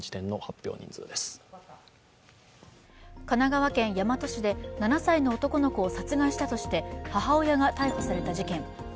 神奈川県大和市で、７歳の男の子を殺害したとして母親が逮捕された事件。